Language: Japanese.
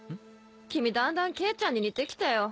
君だんだん圭ちゃんに似てきたよ。